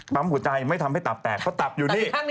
หัวใจไม่ทำให้ตับแตกเพราะตับอยู่นี่